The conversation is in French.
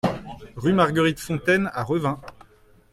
Rue Marguerite Fontaine à Revin